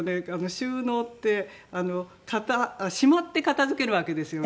収納ってしまって片付けるわけですよね。